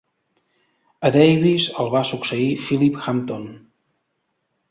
A Davis el va succeir Philip Hampton.